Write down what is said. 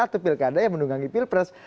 atau pilkada yang menunggangi pilpres